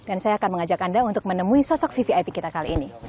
dan saya akan mengajak anda untuk menemui sosok vvip kita kali ini